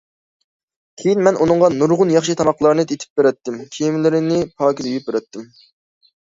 كېيىن مەن ئۇنىڭغا نۇرغۇن ياخشى تاماقلارنى ئېتىپ بېرەتتىم، كىيىملىرىنى پاكىز يۇيۇپ بېرەتتىم.